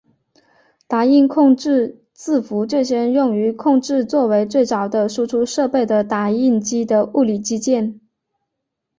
打印控制字符最先用于控制作为最早的输出设备的打印机的物理机件。